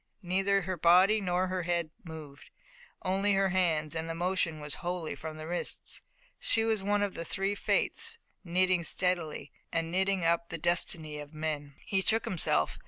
Neither her body nor her head moved, only her hands, and the motion was wholly from the wrists. She was one of the three Fates, knitting steadily and knitting up the destiny of men. He shook himself.